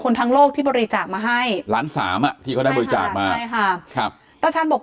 คนทั้งโลกที่บริจาคมาให้ล้าน๓อ่ะก็ได้บริจาคมาก็บอก